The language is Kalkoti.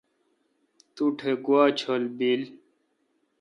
تو ٹھ گوا چل بیل